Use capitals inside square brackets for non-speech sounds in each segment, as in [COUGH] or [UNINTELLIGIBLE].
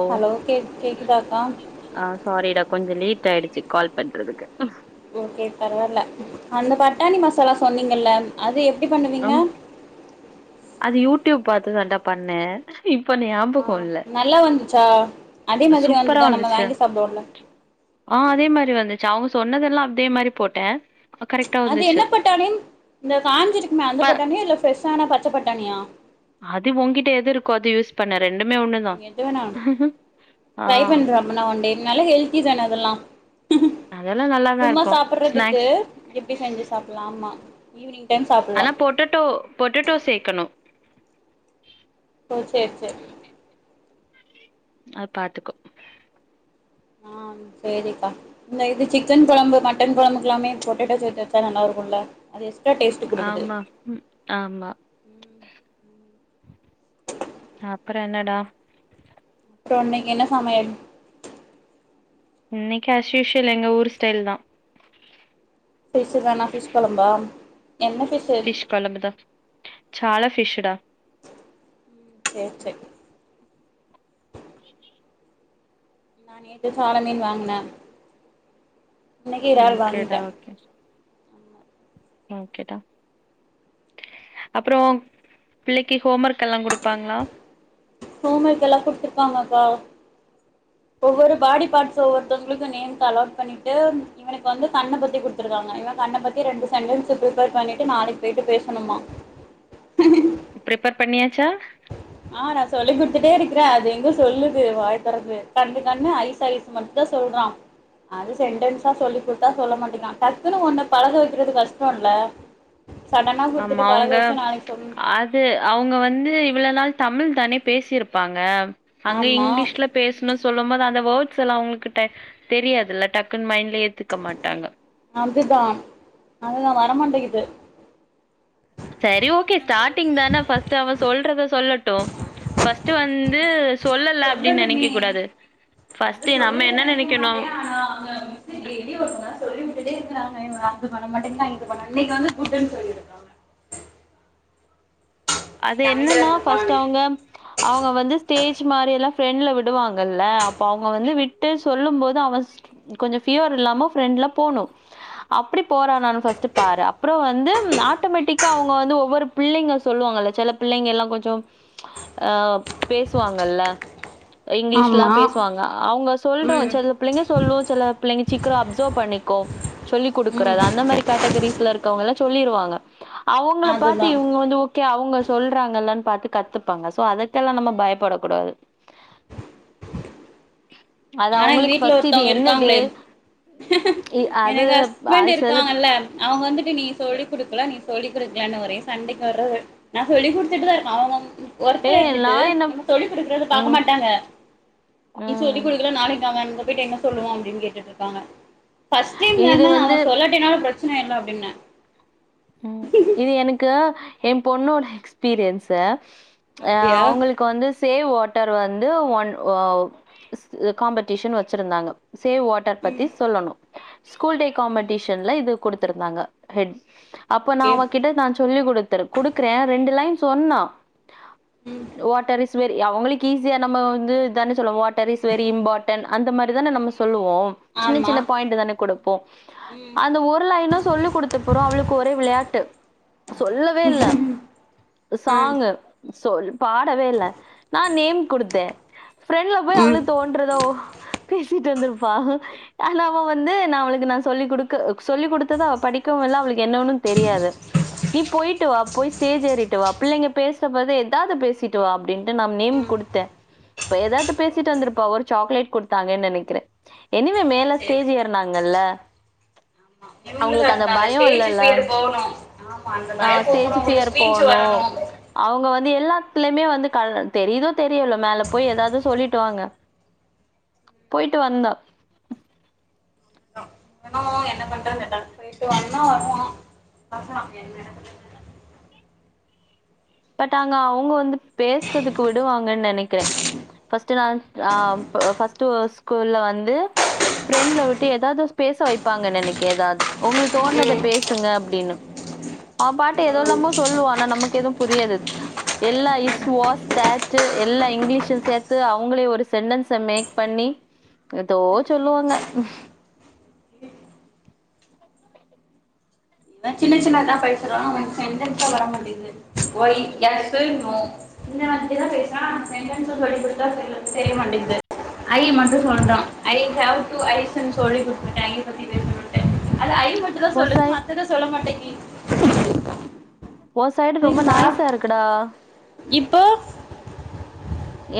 ஓ hello கேக் கேக்குதாக்கா ஆ சாரிடா கொஞ்சோ லேட் ஆயிடுச்சு கால் பண்றதுக்கு க்ம் ஓகே பரவால்ல அந்த பட்டாணி மசாலா சொன்னீங்கல்ல அது எத் எப்டி பண்ணுவீங்க ம் அது யூடியூப் பாத்து தாண்டா பண்ண ஆ நல்லா வந்துச்சா அதே மாதிரி சூப்பரா வந்துதா நம்ம வந்துச்சு வாங்கி சாப்டுவோல்ல ச்சவ் சொன்னதெல்லா அதே மாரி போட்ட அது என்ன பட்டாணி‌ இந்த காஞ்சிருக்குமே ப அந்தப் ஒடனே இல்ல ஃப்ரெஷ்ஷா ஆனா பச்ச பட்டாணியா அது உங்கிட்ட எது இருக்கோ அது யூஸ் பண்ணு எது வேணா ஆ ட்ரை பண்ற அப்பனா ஒன்டே நல்லா ஹெல்திதான அதெல்லாம் அதெல்லா நல்லாதா சும்மா இருக்கு சாப்புடுறதுக்கு ஸ்நாக்ஸ் இப்டி செஞ்சு சாப்புலா ஆமா ஈவினிங் டைம் சாப்புட்லா ஆனா பொட்டேட்டோ பொட்டேட்டோ சேக்கணு ஓ செர் செர் அது பாத்துக்கோ ஆம் சேரிக்கா இந்த இது சிக்கன் கொழம்பு மட்டன் கொழம்புக்கெல்லாமே பொட்டேட்டோ சேத்து வெச்சா நல்லா இருக்குல்ல ஆமா ம் ஆமா அப்பற என்னடா சோ நீங்கென்ன சமயல் இன்னிக்கா ஏஸ்யூஸ்வல் எங்க ஊர் ஸ்டைல்தா ஃபிஷ் வேணா ஃபிஷ் கொழம்பா என்ன ஃபிஷ்ஷு சேர் ஃபிஷ் கொலம்புதா சால ஃபிஷ் டா ம் சேர் சேர் [INAUDIBLE] நா நேத்து சால மீன் வாங்குன இன்னைக்கு இறால் ஓகேடா வாங்கிட்ட ஓகே ஓகேடா அப்புறோ பிள்ளைக்கு ஹோம் ஒர்க் எல்லா குடுப்பாங்களா ஹோம் ஒர்க் எல்லா குடுத்துருக்காங்கக்கா ஒவ்வொரு பாடி பார்ட்ஸ் ஒவ்வொருத்தவங்களுக்கு நேம்ஸ் அலாட் பண்ணிட்டு இவனுக்கு வந்து கண்ண பத்தி குடுத்துருக்காங்க இவ கண்ண பத்தி ரெண்டு சென்டன்ஸ் ஃபிரிப்பேர் பண்ணிட்டு நாளைக் போயிட்டு பேசணுமா ஃப்ரிப்பர் பண்ணியாச்சா ஆ நா சொல்லி குடுத்துட்டே இருக்குற அது எங்க சொல்லுது வாய தொரந்து கண்ணு கண்ணு ஐஸ் ஐஸ் மட்டு சொல்றா அது சென்டன்ஸா சொல்லி குடுத்தா சொல்ல மாட்டிங்குறா டக்குன்னு ஒன்ன பழக வைக்குறது கஷ்டோம்ல்ல ஆமா அவங்க அது அவங்க வந்து இவ்வள நாள் தமிழ் தானே பேசியிருப்பாங்க அங்க ஆமா இங்கிலீஷ்ல பேஸ்ணு சொல்லும் போது அந்த வோர்ட் ஸ்லா அவங்களுகிட்ட தெரியாதுல்ல டக்குன் மைண்ட்ல ஏத்துக்க மாட்டாங்க அதுதா அதுதா வரமாட்டேங்குது சரி ஓகே ஸ்டார்டிங் தான ஃபஸ்ட்டு அவ சொல்றத சொல்லட் டு ஃபஸ்ட்டு வந்து சொல்லல அப்படின்னு நினைக்க சொல்லணுமே கூடாது அத ஃபர்ஸ்ட் நம்ம சொல்லல என்ன நெனைக்க மாட்டே நினைக்கணும் ஆனா அவங்க மிஸ்சு ஏ என்னயு [UNINTELLIGIBLE] சொல்லி வுட்டுட்டே இருக்கறாங்க இவன்கு [UNINTELLIGIBLE] வர மாட்டேங்குறா இத பண்ண அன்னைக்கு வந்து கூட்ன்னு வந்து சொல்லிருக்காங்க அது நீங்க அமைதியா என்னன்னா ஃபஸ்ட்டா இருந்துப்பான்னு அவங்க அவங்க வந்து ஸ்டேஜ் மாரி எல்லா ஃபிரண்ட்ல விடுவாங்கல்ல அப்போ அவங்க வந்து விட்டு சொல்லும் போது அவ கொஞ்ச ஃபீவர் இல்லாம ஃப்ரெண்ட்ல போணு அப்படி போறானானு ஃபர்ஸ்ட்டு பாரு அப்பறோ வந்து ஆட்டோமேட்டிக்கா அவங்க வந்து ஒவ்வொரு பிள்ளைங்க சொல்லுவாங்கள செல பிள்ளைங்க எல்லா கொஞ்சோ அ பேசுவாங்கல்ல இங்கிலீஷ்லா ஆமா பேசுவாங்க அவங்க சொல்றத ம் வச்சு செல பிள்ளைங்க சொல்லு செல பிள்ளைங்க ச்சீக்கறோ அப்சோவ் பண்ணிக்கோ சொல்லி ம் குடுக்கறத அந்த மாரி கேட்டகிரீஸ்ல இருக்கவங்கள சொல்லிருவாங்க அவங்கள பாத்து அதுதா இவங்க வந்து ஓகே அவங்கஸ் சொல்றாங்கல்லன் பாத்து கத்துப்பாங்க சோ அதுக்கெல்லாம் நம்ம பயப்படக் கூடாது ஆனா எங்க வீட்ல ஒருத்தவங்க இருக்காங்களே இ அது எனக்கு அது ஹஸ்பண்ட் செல இருக்காங்கல்ல அவங்க வந்துட்டு நீ சொல்லிடுக்கல நீ சொல்லிடுக்கலனு ஒரே சண்டைக் வர்றது நா சொல்லி குடுத்துட்டுதா இருக்க அவ வந் ஒர்க்ல ஏய் இருந்துட்டு நான் என்ன நம்ம சொல்லிக் குடுக்கறத பாக்க ம், மாட்டாங்க நீ சொல்லி ம். குடுக்கல நானே நாங்க அங்க போயிட்டு என்ன சொல்லுவோ அப்டின் கேட்டுட்டு இருக்காங்க ஃபஸ்ட் டைம் இது தான அவ வந்து சொல்லாட்டேனாலு பிரச் பிரச்சன இல்ல அப்டின்ன ம் இது எனக்கா எம் பொண்ணோட எக்ஸ்பீரியன்ஸ அ அப்டியா அவங்களுக்கு வந்து சேவ் வாட் டர் வந்து ஒன் காம்படிஷன் வச்சுருந்தாங்க சேவ் வாட்டர் ம் பத்தி சொல்லணு ஸ்கூல்டே காம்படிஷன்ல இது குடுத்துருந்தாங்க ஹெட் அப்ப நா ஓகே அவகிட்ட நா சொல்லி குடுத்துருக் குடுக்குற ரெண்டு லைன் சொன்னா ம் வாட்டரிஸ் வெரி அவங்களுக்கு ஈஸியா நம்ம வந்து இதானே சொல்வோ வாட்டர் இஸ் வெரி இம்பார்டன் அந்த மாரி தான நம்ம சொல்லுவோ இப்போ சின்ன ஆமா சின்ன பாயிண்ட் தானே கொடுப்போ ம் அந்த ஒரு லைனு சொல்லி கொடுடத்த பறோ அவுளுக்கு ஒரே விளையாட்டு சொல்லவே இல்ல ஆ சாங் சொல் பாடவே இல்ல நா நேம் குடுத்தே ஃப்ரண்ட்ல போய் ம் அவளுக் தோன்றதோ பேசிட்டு வந்திருப்பா ஆன அவ வந்து நா அவளுக்கு நா சொல்லி் கொடுக்க சொல்லிக் கொடுத்தத அவ படிக்கவுஇல்ல அவளுக்கு என்னன்னு தெரியாது நீ போயிட்டு வா போய் ஸ்டேஜ் ஏறிட்டு வா பிள்ளைங்க பேசுற போது எதாவது பேசிட்டு வா அப்டின்ட்டு நா நேம் ம் குடுத்தே எதாவது பேசிட்டு ஓகே. வந்திருப்பா ஒரு சாக்லேட் கொடுத்தாங்கன்னு நினைக்கிறே எனிவே மேல சேரி ஸ்டேஜ் சேரி ஏறனாங்கல்ல அவங்களுக்கு அந்த பயோ இல்ல ர் போகணு ஆமா அந்த பயோ போகணு ஸ்டேஜ் அவங்களுக்கு ஃபியர் ஸ்பீச்சு போணும். வரணு அவங்க வந்து எல்லாத்துலயுமே வந்து க தெரியுதோ தெரியல மேல போய் ஏதாவது சொல்லிட்டு வாங்க போயிட்டு வந்தா இவனு என்ன பண்றங்கட்டா போயிட்டு வரனா வருவோ வரலா என்ன பட் அங்க அவுங்க வந்து பேசுறதுக்கு விடுவாங்கன்னு நெனைக்கிறே ஃபஸ்ட் நா ஆ ஃபஸ்ட் ஸ்கூல்ல வந்து ஃப்ரெண்ட்ல விட்டு ஏதாவது பேச வைப்பாங்க நினைக்க ஏதாது உங்களுக்கு தோணத ம் பேசுங்க அப்டின்னு அவ பாட்டு ம் எதலாமோ சொல்லுவா ஆனா நமக்கு எதுவு புரியாது எல்லா இஸ் வாஸ் தேட் எல்லா இங்கிலீஷு சேர்த்து அவங்களே ஒரு சென்டன்ஸ மேக் பண்ணி ஏதோ சொல்லுவாங்க சின்ன சின்னதா பேசுறா அவன்கு சென்டென்ஸ் தா வர மாட்டேங்து ஒய் எஸ் நோ இந்த மாதிரி தா பேசரா ஆனா சென்டன்ஸா சொல்லிகுடுத்தா தெரிய மாட்டேங்து ஐ மட்டு சொல்டா ஐ ஹேவ் டு ஐஸ்னு சொல்லிகுடுத்துட்டே ஐ பத்தி பேசமட்டே அது ஐ மட்டு தா ஓ சொல்லுது சைட் மத்தத சொல்ல மாட்டேக்கு ஒ சைடு ரொம்ப நாய்ஸா இருக்குடா இப்போ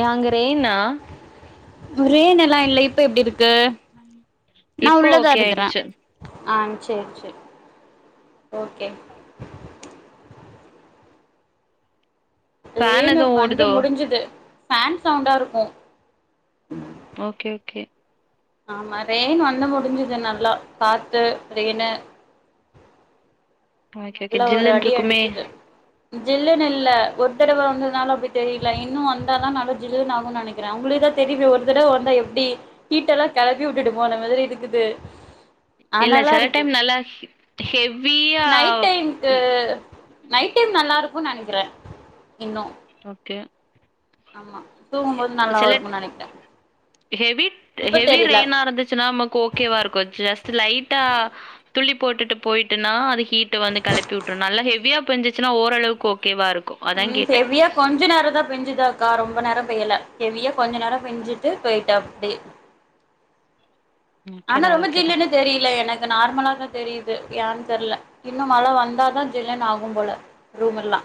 ஏன்ங்க ரெய்னா ஒரே நிலாம் இல்ல இப்ப எப்டி இருக்கு நா இப்போ உள்ளதா ஓகே இருக்குறே ஆயிடுச்சு ஆ செர் செர் ஓகே ஃபேன் ரேணு எதுவு வந்து ஓடுதோ முடிஞ்சுது ஃபேன் சவுண்டா இருக்கு ஓகே ஓகே ஆமா ரேயன் வந்த முடிஞ்சுதுனால ல்லா காத்து ரெய்னு ஓகே ஓகே நல்லா ஒரு ஜில்லுன்னு அடி இருக்குமே அடிச்சது ஜில்லுனு இல்ல ஒரு தடவோ இருந்தனால அப்படி தெரியல இன்னு வந்தாலதா நல்லா ஜல்லுன் ஆகுன் நனைக்கிற உங்களுக்குதா தெரியு ஒரு தடவ வந்தா எப்படி ஷீட்டெல்லா கெளப்பி உட்டுட்டு போன மாதிரி இருக்குது இல்ல அனலா சில இருக்கு டைம் நல்லா ஹெவியா நைட் டைம்க்கு நைட் டைம் நல்லா இருக் க்கு நா நனைக்கிற ஓகே ஆமா எ தூங்கும்போது நல்லா சில இருக்கும்னு நெனைக்கிறே ஹெவி இப்ப ஹெவி தெரில ரெய்னா இருந்துச்சுன்னா ஓகேவா இருக்கு ஜஸ்ட் லைட்டா துள்ளி போட்டுட்டு போயிட்டுனா அது ஹீட்ட வந்து கெப்பியுட்டுறு நல்லா ஹெவியா போஞ்சிச்சுன்னா ஓரளவுக்கு ஓகேவா இருக் கு அதாங் ம் கேட்ட ஹெவியா கொஞ்ச நேரந்தா பேஞ்சு இல்லக்கா ரொம்ப நேரோம் பேயல ஹெவியா கொஞ்ச நேரோ பெஞ்சுட்டு போயிட்டா அப்டியே ஆனா ஓகேடா ரொம்ப ஓகேடா ஜில்லுன்னு தெரியல எனக்கு நார்மலாதா தெரியுது ஏன் தெர்ல இன்னு மழ வந்தாதா ஜில்லுன் ஆகும் போல ரூம் எல்லா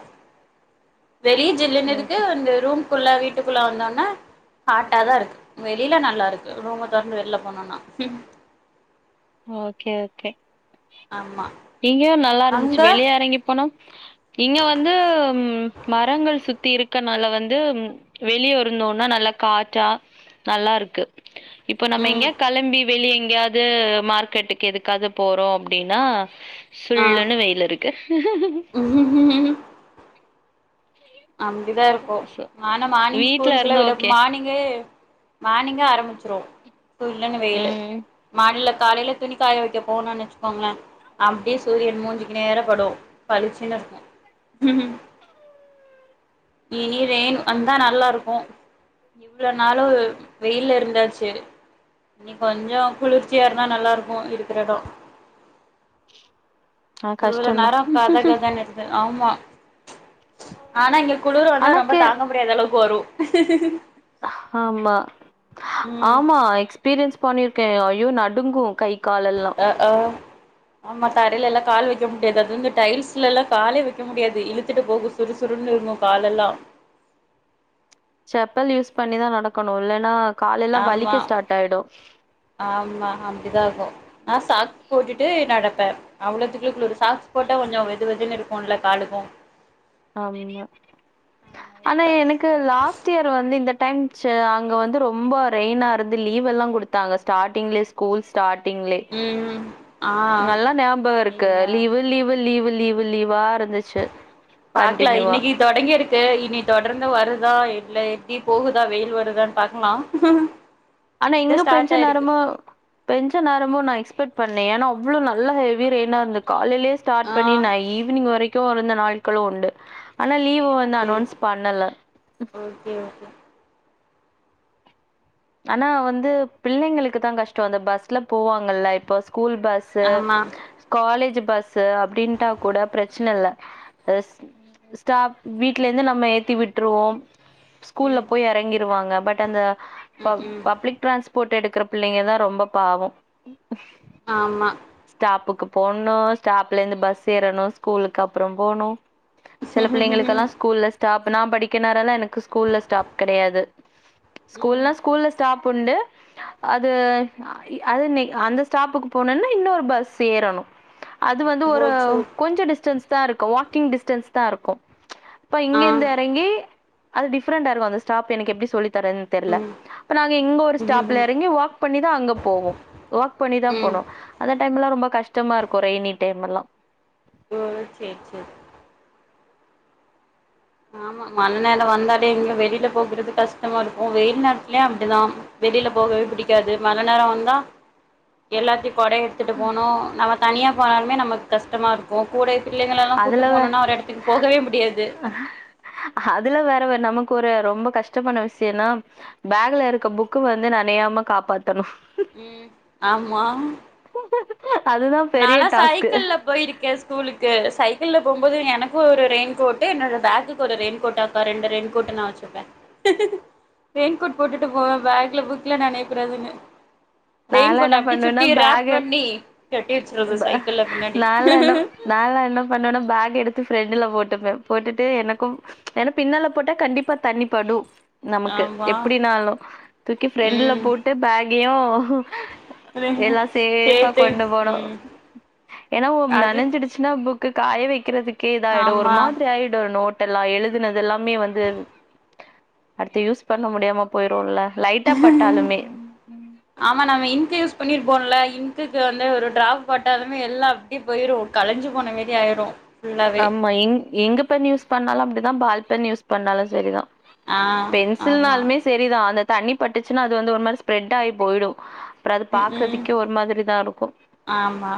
வெளிய ஜில்லுன்னு இருக்கு ஓகே அந்த ரூம் க்குள்ள வீட்டுக்குள்ள வந்தோன்ன ஹாட்டாதா இருக்கு வெளியில நல்லா இருக்கு ரொம்ப தொடர்ந்து வெளில போனோன்னா ம் ஓகே ஓகே ஆமா இங்க நல்லா இருந்துச்சு அங்க வெளிய எறங்கி போனா இங்க வந்து மரங்கள் சுத்தி இருக்கனால வந்து வெளிய இருந்தோன்னா நல்லா காற்றா நல்லா இருக்கு இப்போ நம்ம ம் எங்கயா கெளம்பி வெளிய எங்கயாவது மார்க்கெட்டுக்கு எதுக்காவது போறோ அப்டின்னா ஆ சுல்லுன்னு வெயில் இருக்கு [INAUDIBLE] அப்டிதா இருக்கு சோ ஆனா மார்னிங் வீட்ல ஸ்கூலுக்கெல்லா இருந்தா விட ஓகே மானிங்கே மார்னிங்க ஆரம்பிச்சுரு சுல்லுனு வெயிலு ம் மழ்ழ காலைல துணிக்காய வெக்க போனோன் வெச்சுக்கோங்களே அப்டியே சூரியன் மூஞ்சிக்கு நேரா படு பழுச்சுன்னு இருக்கு இனி ரெயின் வந்தா நல்லா இருக்கு இவ்வளோ நாளு வெயில்ல இருந்தாச்சு இனி கொஞ்சோ குளிர்ச்சியா இருந்தா நல்லா இருக்கு இருக்குற எடோ ஆ இவ்ளோ கஷ்டந்தா நேரோ கத கதான்து ஆமா ஆனா இங்க குளிர் வந்தா ஆனா ரொம்ப கே தாங்க முடியாத அளவுக்கு வரு [INAUDIBLE] ஆமா ம் ஆமா எக்ஸ் பீரியன்ஸ் பண்ணிருக்கே ஐயோ நடுங்கு கை காலெல்லா அ அ ஆமா தரைலல்லா கால் வைக் வக்க முடியாது அது வந்து டைல்ஸ்ல எல்லா காலே வைக்க முடியாது இழுத்துட்டு போகு சுறுசுறுன்னு இருக்கு காலெல்லா செப்பல் யூஸ் பண்ணிதா நடக்கணு இல்லன்னா காலெல்லா ஆமா வலிக்க ஸ்டார்ட் ஆயிடு ஆமா அப்டிதா இருக்கு நா சாக்ஸ் போட்டுட்டு நடக் ப்ப அவ்வளதுக்குளுக்கு ஒரு சாக்ஸ் போட்டா கொஞ்சோ வெது வெதுன்னு இருக்கும்ல காலுக்கு ஆமா ஆனா எனக்கு லாஸ்ட் இயர் வந்து இந்த டைம் ச்ச அங்க வந்து ரொம்ப ரெயினா இருந்து லீவெல்லா கொடுத்தாங்க ஸ்டார்ட்டிங்லே ஸ்கூல் ஸ்டார்ட் ட்டிங்ளே ம் ஆ நல்லா ஞாபகம் இருக்கு இங்க லீவு லீவு லீவு லீவு லீவா இருந்துச்சு பாக்கலா கண்டினியூவா இன்னிக்கு தொடங்கி இருக்கு இனி தொடர்ந்து வருதா இல்ல ப்டி போகுதா வெயில் வருதானு பாக்கலா ஆனா இதா எங்க ஸ்டார்ட் பென்ஷன் ஆயிருக்கு நரமோ பென்ஷன் நரமோ நா எக்ஸ்பெட் பண்ணே ஏன்னா அவ்ளோ நல்ல ஹெவி ரெயினா இருந்துக்கா காலைலே ஆ ஸ்டார்ட்ண்ணி நான் ஈவினி்ங் வரை தூ இருந்த நாட்களும் உண்டு ஆனால் லீவு வந்து சேரி அனொன்ஸ் பண்ணல ஓகே ஓகே ஆனா வந்து பிள்ளைங்களுக்கு தா கஷ்டோ அந்த பஸ்ல போவாங்கல்ல இப்ப ஸ்கூல் பஸ்ஸு ஆமா காலேஜ் பஸ் அப்படின்ட்டா கூட பிரச்ன இல்ல ஸ்டாப் வீட்ல இருந்து நம்ம ஏத்தி விட்டுருவோ ஸ்கூல்ல ம் போய் இறங்கிருவாங்க பட் அன்த ப ம் ம் பப்ளிக்ட்ரான்ஸ் போட்டு எடுக்கற பிள்ளைங்க தா ரொம்ப பாவோ ஆமா ஸ்டாப்புக்கு போடண்ணு ஸ்டாப்ல இருந்து பஸ் ஏறணு ஸ்கூலுக்கு அப்றோ போணு சில பிள்ளைங்களுக்கெல்லா ஸ்கூல்ல ஸ்டாப் நான் படிக்கநேரல்லாம் எனக்கு ஸ்கூல்ல ஸ்டாப் கிடையாது உம் உண்டு அது அது அந்த ஸ்டாப்புக்கு போனும்னா இன்னொரு பஸ் ஏறணும் அது வந்து ஒரு கோல்சூர் கொஞ்சம் டிஸ்டன்ஸ் த இருக்கும் வாக்கிங் டிஸ்டன்ஸ் தான் இருக்கும் இப்ப ஆ இங்கந்து இறங்கி அது டிப்ரெண்டா இருக்கும் அந்த ஸ்டாப் எனக்கு எப்படி சொல்லி தர தெர்ல ம் அப்ப நாங்க இங்க ஒரு ஸ்டாப்ல ம் இறங்கி் வாக் பண்ணி தான் அங்க போவோம்வாக் பண்ணிதான் ஓ போனோம் அந்த டைம் எல்லாம் ரொம்ப கஷ்டமா இருக்கும் ரெயனி டைம்ல்லாம் ஓ செரி செரி ஆமா மழை நேரம் வந்தாலே இங்க வெளியில போகறது கஷ்டமா இருக்கும் வெயில் நேரத்துலயே அப்படிதான் வெளியில போகவே பிடிக்காது மழை நேரம் வந்தா எல்லாத்தையும் கொட எடுத்துட்டு போனோம் நம்ம தனியா போனாலுமே நமக்கு கஷ்டமாக இருக்கும் கூட பிள்ளைங்கள எல்லாம் கூட்டட்டு அதுல போணும்னா ஒரு இடத்துக்கு போகவே முடியாது அதுல வேற வே நமக்கு ஒரு ரொம்ப கஷ்டமான விஷயம்னா பேக்ல இருக்க புக்கு வந்து நினையாம காப்பாத் உம் ஆமா அதுதான் பெரிய நாலாம் டாஸ்க்கு. சைக்கிள்ல போயிருக்கேன் ஸ்கூலுக்கு சைக்கிள்ல போகும்போது எனக்கும் ஒரு ரெயின்க்கோட்டு என்னோட பேக்குக்கு ஒரு ரெயின்க்கோடாக்கா ரெண்டு ரெயின்க் கோட் நான் வச்சுப்பேன் ரெயின்க்கோட் போட்டுட்டு போவேன் பேக்ல புக்ல நெனய்யக்கூடாதுனு ரெயின் நான்லாம் கோட்டஅ என்ன அப்படி பண்ணுவேன்னா, சுத்தி ராப் பேக்க பண்ணி வச்சுறது சைக்கிள்ல பின்னாடி நான்லாம் என்ன நான்லாம் என்ன பண்ணுவேனா பேக எடுத்து பிரண்ட்ல போட்டுப்பேன் போட்டுட்டு எனக்கும் ஏன்னா பின்னால போட்டா கண்டிப்பா தண்ணி படும் நமக்கு ஆமா எப்படினாலும் தூக்கி ஃப்ரெண்ட்ல ம் போட்டு பேகையும் எல்லாம் சேஃபா சேத்து கொண்டு போனோம் ம் ஏன்னா அது நனைஞ்சிடுச்சுன்னா புக்கு காய வைக்கிறதுக்கு கே இத ஆகிடும் ஒரு ஆமா மாதிரி ஆயிடும் ஒரு நோ எல்லா எழுதுனது எல்லாமே வந்து அடுத்து யூஸ் பண்ண முடியாம போயிரும்ல்ல லைட்டா பட்டாலுமே ஆமா நம்ம இங்க்கு யூஸ் பண்ணிருப் போம்ல இங்க்குக்கு வந்து ஒரு ட்ராப் பட்டாலுமே எல்லாம் அப்டி போயிரும் கலைஞ்சு போன மாதிரி ஆயிடும் ஆமா எங்க பென் யூஸ் பண்ணாலும் அப்படி பால் பென் யூஸ் பண்ணாலும் செரிதான் ஆ ஆமா பென்சில்னாலுமே செரிதான் அந்த தண்ணி பட்டுச்சுன்னா அது வந்து ஒரு மாதிரி ஸ்பிரேட் ஆகி போயிடும் அப்ற அது ம் ம் பாக்குறதுக்கே ஒரு மாதிரி தா இருக்கு ஆமா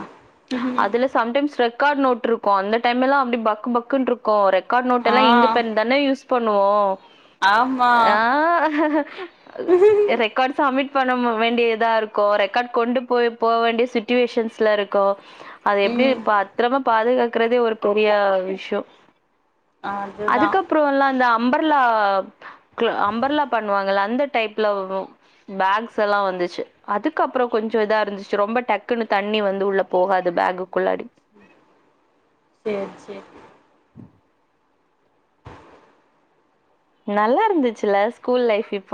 அதுல சம்டைம்ஸ் ரெக் காட் நோட்ருக்கு அந்த டைம் எல்லா அப்டி பக்கு பக்குன்ருக்கு ரெக் காட் நோட் ஆ எல்லா இங்கு பென் தானே யூஸ் பண்ணுவோ ஆமா ஆ எ ரெக்காடு சமிட் பண்ணம வேண்டியதா இருக்கு ரெக்கார்ட் கொண்டு போய் போ வேண்டிய சுட்டுவேஷன்ஸ்ல இருக்கு அது எப்டி ம் பத்துரமா பாதுகாக்குறதே ஒரு பெரிய விஷ்யொ அதுதா அதுக்கப்றொ எல்லா இந்த அம்பர்லா அம்பர்லா பண்ணுவாங்கல்ல அந்த டைப்ல வரு பேக்ஸ் எல்லா வந்துச்சு அதுக்கப்றொ கொஞ்ச இதா இருந்துச்சு ரொம்ப டக்குன்னு தண்ணி வந்து உள்ள போகாது பேகுக்குள்ளாடி சேர் சேர் நல்லா இருந்துச்சுல்ல ஸ்கூல் லைஃப் இப்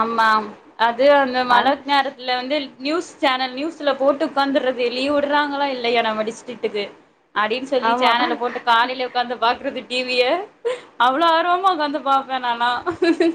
ஆமாம் அது அந்த மழ அந் நேரத்துல வந்து நியூஸ் சேனல் நியூஸுல போட்டு உக்காந்துர்ரது லீவ் விட்றாங்களா இல்லையா நம்ம டிஸ் டிட்டுக்கு அடின் சொல்லி ஆமா. சேனல போட்டு காலைலே உக்காந்து பாக்குறது டி வி ய அவ்ளோ ஆர்வமா உக்காந்து பாப்பே நானா